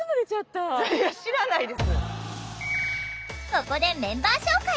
ここでメンバー紹介！